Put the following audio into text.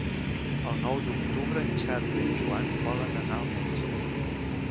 El nou d'octubre en Xavi i en Joan volen anar al metge.